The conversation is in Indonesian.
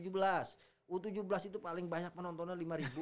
u tujuh belas itu paling banyak penontonnya lima ribu